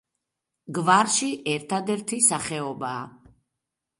გვარში ერთადერთი სახეობაა.